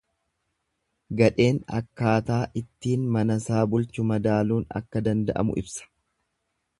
Gadheen akkaataa ittiin manasaa bulchu madaaluun akka danda'amu ibsa.